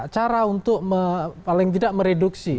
cara untuk paling tidak mereduksi